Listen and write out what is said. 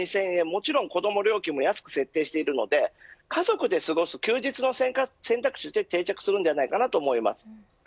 もちろん子ども料金も安く設定しているので家族で過ごす休日の選択肢として定着すると思います。